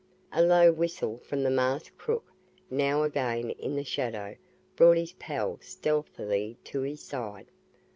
A low whistle from the masked crook, now again in the shadow, brought his pal stealthily to his side.